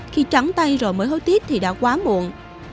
khi trắng tay rồi mới hối tiếp thì đã quá muộn